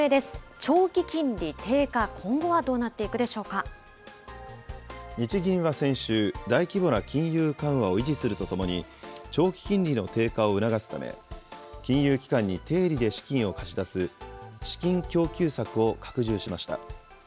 長期金利低下、今後はどうなって日銀は先週、大規模な金融緩和を維持するとともに、長期金利の低下を促すため、金融機関に低利で資金を貸し出す資金供給策を拡充しました。